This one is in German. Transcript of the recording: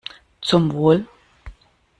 Zum Wohl!